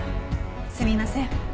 すみません。